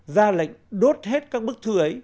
ra lệnh đốt hết các bức thư ấy